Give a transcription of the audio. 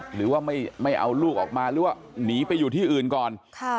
หรือว่าไม่เอาลูกออกมาหรือว่าหนีไปอยู่ที่อื่นก่อน